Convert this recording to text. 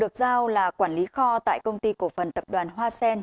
được giao là quản lý kho tại công ty cổ phần tập đoàn hoa sen